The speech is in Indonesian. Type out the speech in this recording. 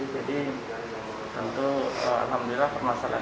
jadi tentu alhamdulillah permasalahan